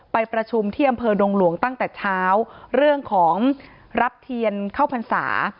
ไปประชุมที่อำเภอดงหลวงตั้งแต่เช้าเรื่องของรับเทียนเข้าพรรษา